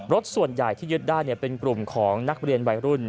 ส่วนใหญ่ที่ยึดได้เป็นกลุ่มของนักเรียนวัยรุ่น